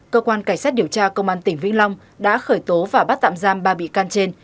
cơ quan cảnh sát điều tra công an tỉnh vĩnh long đã khởi tố và bắt tạm giam ba bị can trên